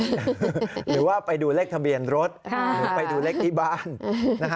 หรือว่าไปดูเลขทะเบียนรถหรือไปดูเลขที่บ้าน